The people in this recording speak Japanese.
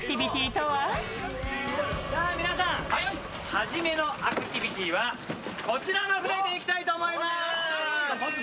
はじめのアクティビティーはこちらの船で行きたいと思います！